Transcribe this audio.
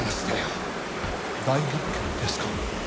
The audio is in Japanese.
大発見ですか？